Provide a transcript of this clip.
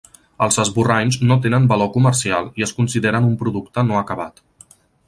Els esborranys no tenen valor comercial i es consideren un producte no acabat.